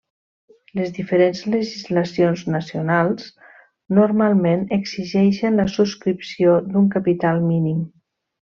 Les diferents legislacions nacionals normalment exigeixen la subscripció d'un capital mínim.